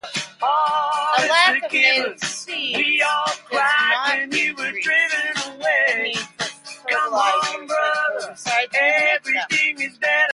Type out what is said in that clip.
A lack of native seed increases the need for fertilizers and herbicides.